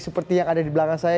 seperti yang ada di belakang saya